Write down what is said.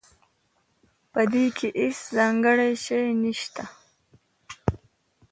پدې کې هیڅ ځانګړی شی نشته